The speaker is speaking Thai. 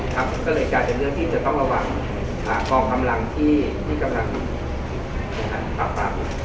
ก็เลยกลายเป็นเรื่องที่จะต้องระวังกองกำลังที่กำลังปรับปราม